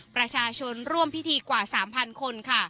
ประชาชนร่วมพิธีกว่า๓๐๐คนค่ะ